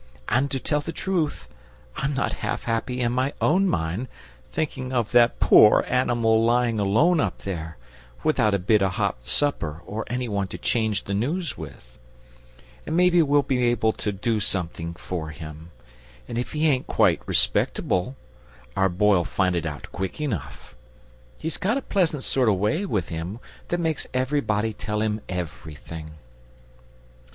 And to tell the truth, I'm not half happy in my own mind, thinking of that poor animal lying alone up there, without a bit o' hot supper or anyone to change the news with; and maybe we'll be able to do something for him; and if he ain't quite respectable our Boy'll find it out quick enough. He's got a pleasant sort o' way with him that makes everybody tell him everything."